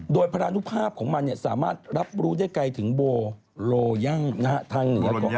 โดยพลาณุภาพของมันเนี่ยสามารถรับรู้ได้ไกลถึงโบโรย่าง